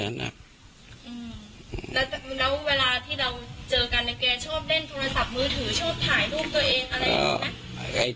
แล้วเวลาที่เราเจอกันเนี่ยแกชอบเล่นโทรศัพท์มือถือชอบถ่ายรูปตัวเองอะไรอย่างนี้ไหม